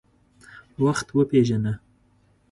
وخت وپیژنه.